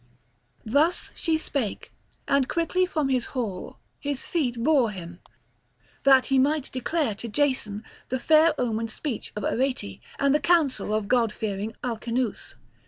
Thus she spake, and quickly from the hall his feet bore him, that he might declare to Jason the fair omened speech of Arete and the counsel of godfearing Alcinous.